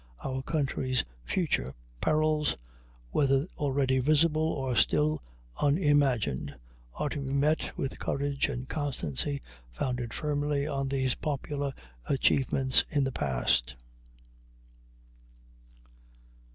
Our country's future perils, whether already visible or still unimagined, are to be met with courage and constancy founded firmly on these popular achievements in the past.